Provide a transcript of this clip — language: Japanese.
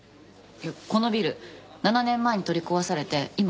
このビル７年前に取り壊されて今は更地。